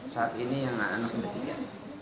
saat ini yang anak anaknya tiga